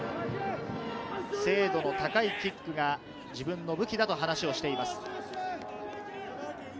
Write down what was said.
精度の高いキックが自分の武器だと話をしています。